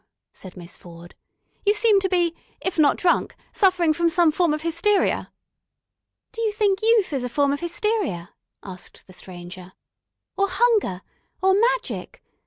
said Miss Ford. "You seem to be if not drunk suffering from some form of hysteria." "Do you think youth is a form of hysteria?" asked the Stranger. "Or hunger? Or magic?